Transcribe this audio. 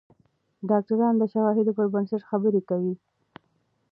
ډاکتران د شواهدو پر بنسټ خبرې کوي.